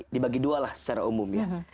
dibagi dua lah secara umum ya